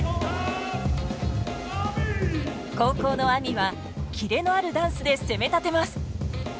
後攻のＡＭＩはキレのあるダンスで攻めたてます。